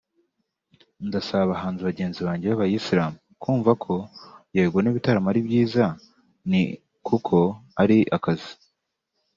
Ndasaba abahanzi bagenzi banjye b’abayisilamu kumva ko yego n’ibitaramo ari byiza ni kuko ari akazi